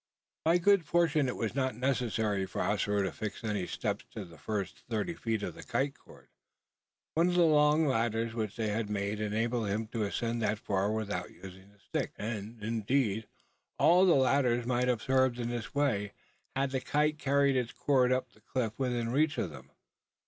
By good fortune it was not necessary for Ossaroo to fix any steps to the first thirty feet of the kite cord. One of the long ladders which they had made enabled him to ascend that far without using the sticks; and, indeed, all of the ladders might have served in this way, had the kite carried its cord up the cliff within reach of them.